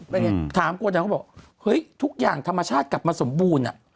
เป็นไงถามคนไทยเขาบอกเฮ้ยทุกอย่างธรรมชาติกลับมาสมบูรณ์อ่ะ